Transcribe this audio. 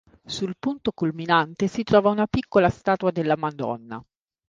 Sul punto culminante si trova una piccola statua della Madonna.